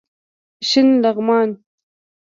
شین لغمان